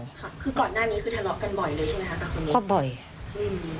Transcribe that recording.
คือก่อนหน้านี้คือทะเลาะกันบ่อยเลยใช่ไหมค่ะกับคนนี้